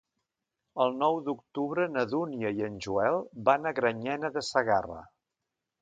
El nou d'octubre na Dúnia i en Joel van a Granyena de Segarra.